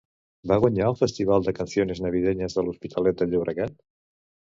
Va guanyar el Festival de Canciones Navideñas de l'Hospitalet de Llobregat?